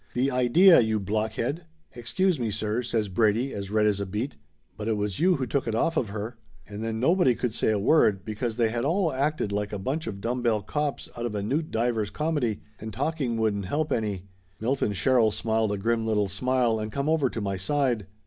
"The idea, you block head!" "Excuse me, sir," says Brady, as red as a beet, "but it was you who took it off of her." And then nobody could say a word because they had all acted like a bunch of dumb bell cops out of a Knute Divers' comedy and talking wouldn't help any. Milton Sherrill smiled a grim little smile, and come over to my side.